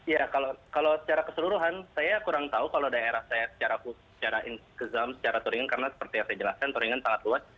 ya kalau secara keseluruhan saya kurang tahu kalau daerah saya secara kezam secara toringan karena seperti yang saya jelaskan turingan sangat luas